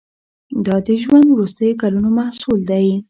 دا د ده ژوند وروستیو کلونو محصول دی.